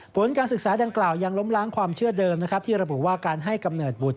ผลการศึกษาดังกล่าวยังล้มล้างความเชื่อเดิมนะครับที่ระบุว่าการให้กำเนิดบุตร